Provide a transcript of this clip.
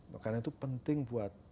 karena itu penting buat